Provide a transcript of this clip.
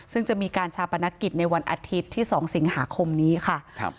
ซึ่งจะมีการชาปนกิจในวันอาทิตย์ที่๒สิงหาคมนี้ค่ะ